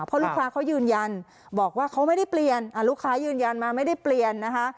เพราะลูกค้าเขายืนยันบอกว่าเขาไม่ได้เปลี่ยนลูกค้ายืนยันมาไม่ได้เปลี่ยนนะคะ